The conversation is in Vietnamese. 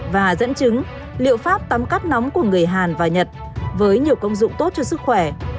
và dẫn chứng liệu pháp tắm cắt nóng của người hàn và nhật với nhiều công dụng tốt cho sức khỏe